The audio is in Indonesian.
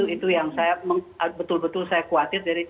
itu yang saya betul betul saya khawatir